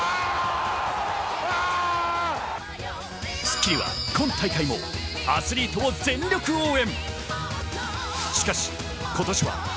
『スッキリ』は今大会もアスリートを全力応援。